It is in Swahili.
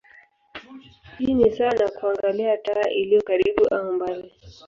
Hii ni sawa na kuangalia taa iliyo karibu au mbali.